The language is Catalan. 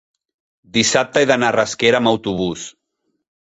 dissabte he d'anar a Rasquera amb autobús.